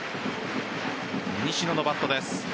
西野のバットです。